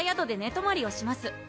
とまりをします